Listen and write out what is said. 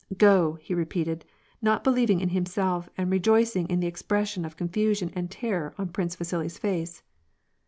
'^ Go !" he repeated, not believing in himself and rejoicing in the expression of con fusion and terror on Prince Vasili's face.